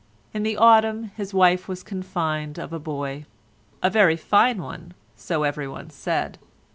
In the autumn his wife was confined of a boy—a very fine one, so everyone said.